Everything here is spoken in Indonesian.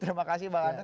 terima kasih bang anda